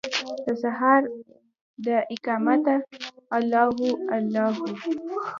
دسهار داقامته الله هو، الله هو